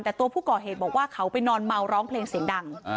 แต่ตัวผู้ก่อเหตุบอกว่าเขาไปนอนเมาร้องเพลงเสียงดัง